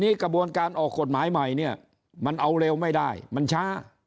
กระบวนการออกกฎหมายใหม่เนี่ยมันเอาเร็วไม่ได้มันช้า